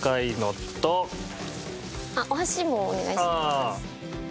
あっお箸もお願いします。